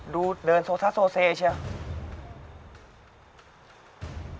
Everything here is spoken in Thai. ดูเดินโซซ่าโซเซเชียว